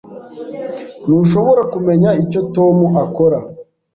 Ntushobora kumenya icyo Tom akora?